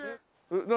何？